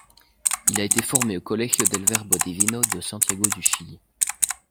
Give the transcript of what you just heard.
Il a été formé au Colegio del Verbo Divino de Santiago du Chili.